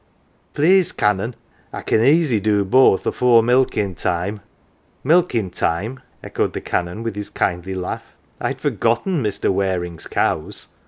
"Please, Canon, I can easy do both afore milkin" 1 time !""" Milking time !" echoed the Canon with his kindly laugh. " I had forgotten Mr. Waringfs cows.